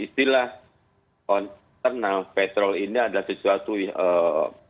setidaknya gunakan upas pada hatteni yang lingkung bagian